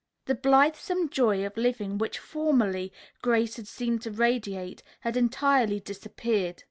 The blithsome joy of living which, formerly, Grace had seemed to radiate had entirely disappeared.